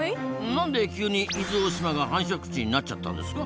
なんで急に伊豆大島が繁殖地になっちゃったんですか？